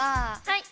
はい。